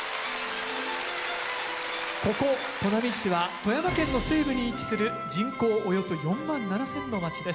ここ砺波市は富山県の西部に位置する人口およそ４万７，０００の町です。